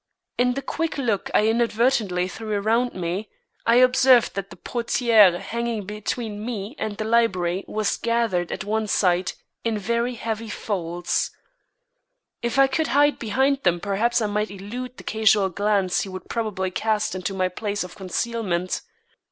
In the quick look I inadvertently threw around me, I observed that the portière hanging between me and the library was gathered at one side in very heavy folds. If I could hide behind them perhaps I might elude the casual glance he would probably cast into my place of concealment.